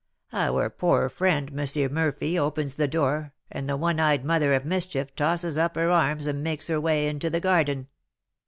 Our poor friend, M. Murphy, opens the door, and the one eyed mother of mischief tosses up her arms and makes her way into the garden.